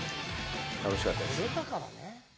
楽しかったです。